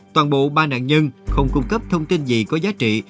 toàn bộ ba nạn nhân không cung cấp thông tin gì có giá trị